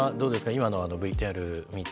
今のＶＴＲ見て。